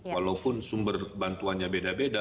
walaupun sumber bantuannya beda beda